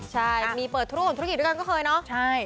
ใช่มีเปิดธุรกิจด้วยกันก็เคยเนาะ